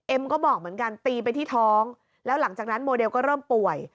ก็บอกเหมือนกันตีไปที่ท้องแล้วหลังจากนั้นโมเดลก็เริ่มป่วย